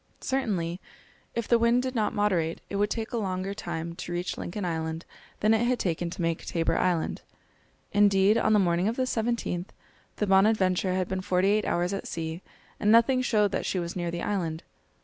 Certainly, if the wind did not moderate, it would take a longer time to reach Lincoln Island than it had taken to make Tabor Island. Indeed, on the morning of the 17th, the Bonadventure had been forty eight hours at sea, and nothing showed that she was near the island.